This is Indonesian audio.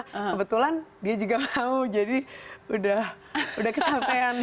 kebetulan dia juga mau jadi udah kesampean